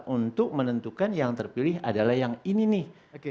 untuk menentukan yang terpilih adalah yang ini nih